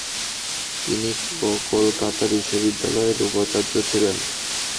তিনি কলকাতা বিশ্ববিদ্যালয় এর উপাচার্য হন।